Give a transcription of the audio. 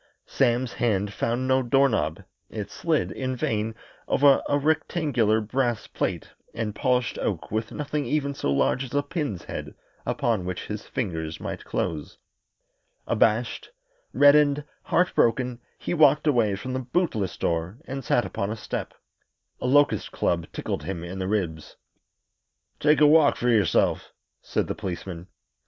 Sam's hand found no door knob it slid, in vain, over a rectangular brass plate and polished oak with nothing even so large as a pin's head upon which his fingers might close. Abashed, reddened, heartbroken, he walked away from the bootless door and sat upon a step. A locust club tickled him in the ribs. "Take a walk for yourself," said the policeman.